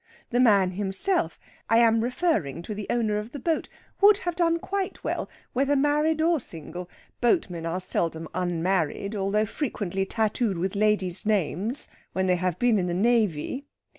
The man himself I am referring to the owner of the boat would have done quite well, whether married or single. Boatmen are seldom unmarried, though frequently tattooed with ladies' names when they have been in the navy.